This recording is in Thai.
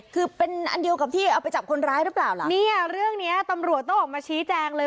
คือเป็นอันเดียวกับที่เอาไปจับคนร้ายหรือเปล่าล่ะเนี่ยเรื่องเนี้ยตำรวจต้องออกมาชี้แจงเลย